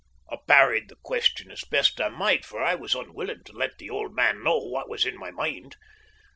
I parried the question as best I might, for I was unwilling to let the old man know what was in my mind.